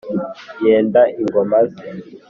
yenda ingoma ze,